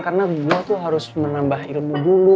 karena gue tuh harus menambah ilmu dulu